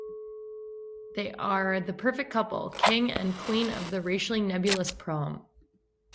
They are the perfect couple, King and Queen of the Racially Nebulous Prom.